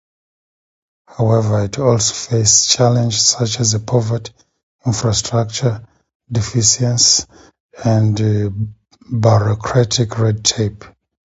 However, it also faces challenges such as poverty, infrastructure deficiencies, and bureaucratic red tape.